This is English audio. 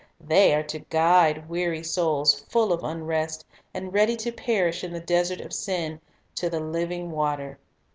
They are to guide weary souls, full of unrest, and ready to perish in the desert of sin, to the living water.